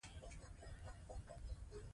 د خولې نظافت ته پام وکړئ.